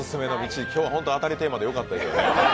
今日、ホント、当たりテーマでよかったです。